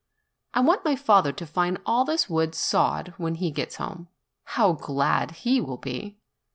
I want my father to find all this wood sawed when he gets home; how glad he will be!